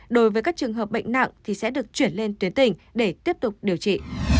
đối với các trường hợp bệnh nặng thì sẽ được chuyển lên tuyến tỉnh để tiếp tục điều trị